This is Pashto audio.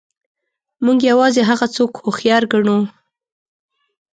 موږ یوازې هغه څوک هوښیار ګڼو.